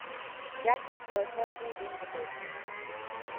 Jakob Wolfer in Wien geboren.